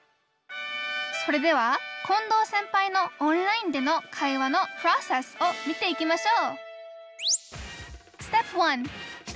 それでは近藤先輩のオンラインでの会話のプロセスを見ていきましょう